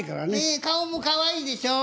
ええ顔もかわいいでしょ？